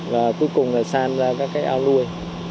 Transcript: và cuối cùng là san ra các cái ao nuôi